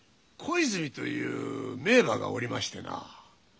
小泉という名馬がおりましてな。